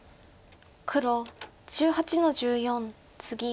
黒１８の十四ツギ。